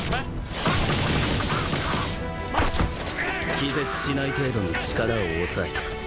気絶しない程度に力を抑えた。